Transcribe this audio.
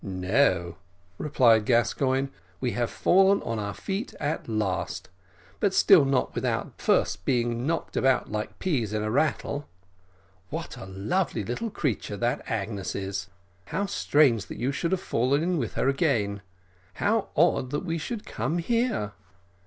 "No," replied Gascoigne; "we have fallen on our feet at last, but still not without first being knocked about like peas in a rattle. What a lovely little creature that Agnes is! How strange that you should fall in with her again! How odd that we should come here!"